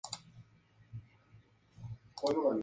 El trabajo de Norton et al.